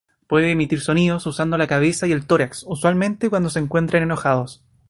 Puede emitir sonidos frotando la cabeza y el tórax, usualmente cuando se encuentran enojados.